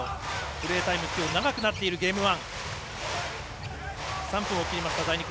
プレータイムきょう長くなっているゲーム１。